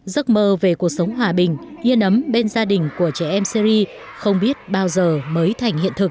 giấc mơ về cuộc sống hòa bình yên ấm bên gia đình của trẻ em syri không biết bao giờ mới thành hiện thực